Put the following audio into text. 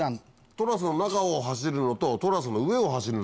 トラスの中を走るのとトラスの上を走るのとね。